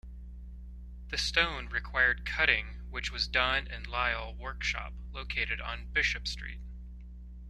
The stone required cutting which was done in Lyall workshop located on Bishop Street.